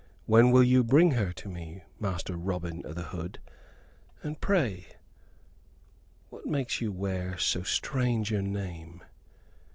When will you bring her to me, Master Robin o' th' Hood, and pray what makes you wear so strange a name?"